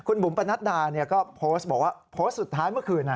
คุณบุ๋มปนัดดาก็โพสต์บอกว่าโพสต์สุดท้ายเมื่อคืน